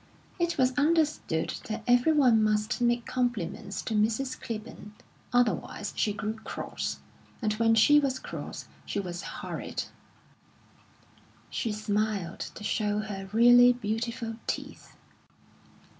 It was understood that everyone must make compliments to Mrs. Clibborn; otherwise she grew cross, and when she was cross she was horrid. She smiled to show her really beautiful teeth.